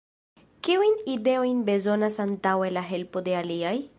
Kiujn ideojn bezonas antaŭe la helpo de aliaj?